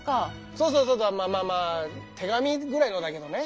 そうそうそうまあまあ手紙ぐらいのだけどね。